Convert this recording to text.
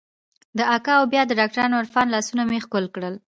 د اکا او بيا د ډاکتر عرفان لاسونه مې ښکل کړل.